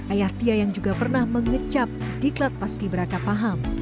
ayah tia yang juga pernah mengecap diklat paski beraka paham